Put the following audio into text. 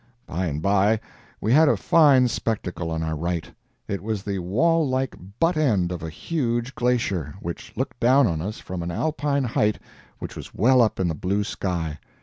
By and by we had a fine spectacle on our right. It was the wall like butt end of a huge glacier, which looked down on us from an Alpine height which was well up in the blue sky.